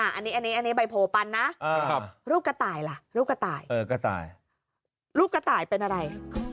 อันนี้ใบโผล่ปันนะรูปกระต่ายเหรอรูปกะต่ายรูปกะต่ายเป็นอะไร